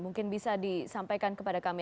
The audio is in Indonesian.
mungkin bisa disampaikan kepada kami